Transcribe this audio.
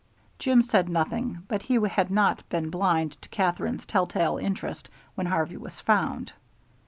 Jim said nothing, but he had not been blind to Katherine's tell tale interest when Harvey was found.